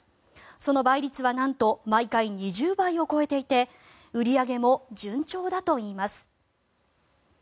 その倍率はなんと毎回２０倍を超えていて売り上げも順調だといいます。